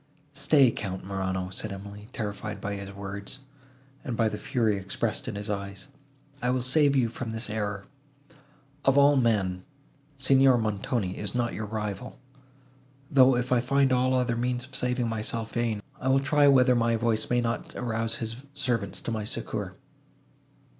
"Stay, Count Morano," said Emily, terrified by his words, and by the fury expressed in his eyes, "I will save you from this error.—Of all men, Signor Montoni is not your rival; though, if I find all other means of saving myself vain, I will try whether my voice may not arouse his servants to my succour."